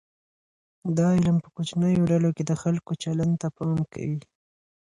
دا علم په کوچنیو ډلو کې د خلګو چلند ته پام کوي.